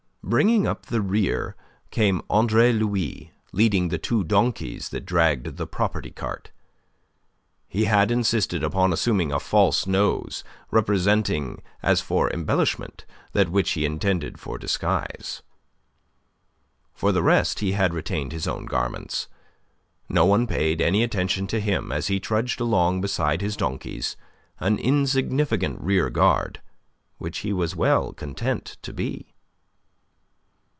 Bringing up the rear came Andre Louis leading the two donkeys that dragged the property cart. He had insisted upon assuming a false nose, representing as for embellishment that which he intended for disguise. For the rest, he had retained his own garments. No one paid any attention to him as he trudged along beside his donkeys, an insignificant rear guard, which he was well content to be.